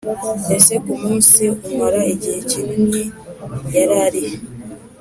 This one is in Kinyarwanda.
Ese ku munsi umara igihe kinini yararihe